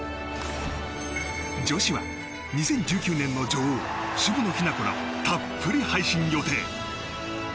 女子は２０１９年の女王渋野日向子らをたっぷり配信予定。